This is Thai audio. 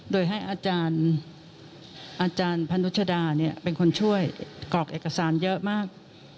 โดยให้อาจารย์พนุชดาเป็นคนช่วยกรอกเอกสารเยอะมาก